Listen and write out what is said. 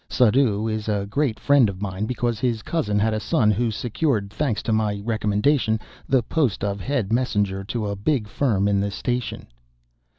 Suddhoo is a great friend of mine, because his cousin had a son who secured, thanks to my recommendation, the post of head messenger to a big firm in the Station.